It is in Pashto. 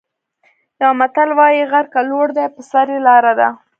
یو متل وايي: غر که لوړ دی په سر یې لاره ده.